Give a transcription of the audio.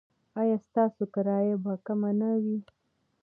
ایا ستاسو کرایه به کمه نه وي؟